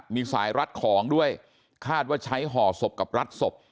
มีสายรัดของด้วยคาดว่าใช้ห่อศพกับรัดศพ